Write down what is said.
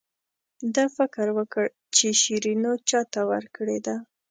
ده فکر وکړ چې شیرینو چاته ورکړې ده.